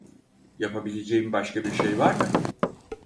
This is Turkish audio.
Yapabileceğim başka bir şey var mı?